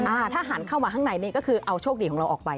อ่าถ้าหันเข้ามาข้างในนี่ก็คือเอาโชคดีของเราออกไป